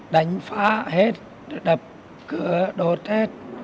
đánh phá hết đập cửa đột hết